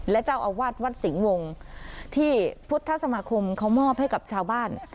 และเจ้าอาวาสวัดสิงห์วงที่พุทธสมาคมเขามอบให้กับชาวบ้าน